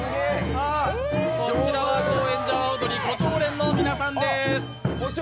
こちらは高円寺阿波おどり胡蝶蓮の皆さんです。